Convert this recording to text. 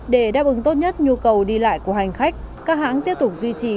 để đáp ứng tốt nhất nhu cầu đi lại của hành khách các hãng tiếp tục duy trì